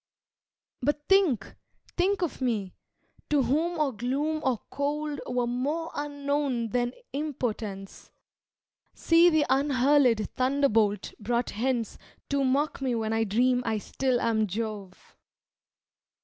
"But think, think thee of me, to whom or gloom Or cold were more unknown than impotence! See the unhurlèd thunderbolt brought hence To mock me when I dream I still am Jove!"